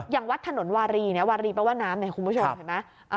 อย่างวัดถนนวารีวารีประวัติน้ำคุณผู้ชมเห็นไหม